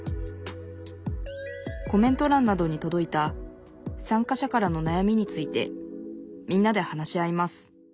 コメントらんなどにとどいた参加者からのなやみについてみんなで話し合います